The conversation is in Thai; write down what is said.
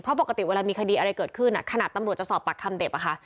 เพราะปกติเวลามีคดีอะไรเกิดขึ้นขนาดตำรวจจะสอบปากคำเด็กอะค่ะ